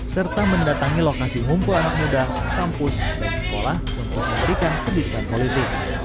serta mendatangi lokasi ngumpul anak muda kampus dan sekolah untuk memberikan pendidikan politik